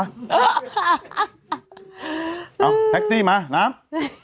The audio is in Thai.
เอาแท็กซี่มาน้ำ